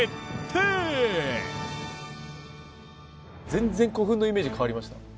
全然古墳のイメージ変わりました。